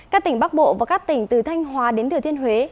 các tỉnh bắc bộ và các tỉnh từ thanh hóa đến thừa thiên huế